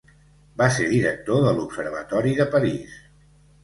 Va ser director de l'Observatori de París.